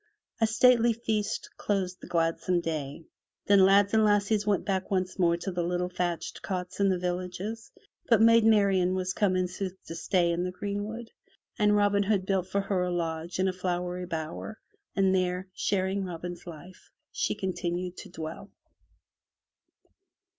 A stately feast closed the gladsome day, then lads and lassies went back once more to the little thatched cots in the villages. But Maid Marian was come in sooth to stay in the greenwood, and Robin Hood built for her a lodge in a flowery bower, and there, sharing Robin's life, she continued to dwell.